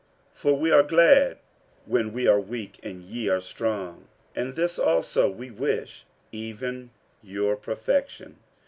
47:013:009 For we are glad, when we are weak, and ye are strong: and this also we wish, even your perfection.